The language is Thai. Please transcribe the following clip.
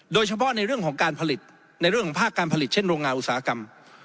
โดยเฉพาะในเรื่องของการผลิตในเรื่องของภาคการผลิตเช่นโรงงานอุตสาหกรรม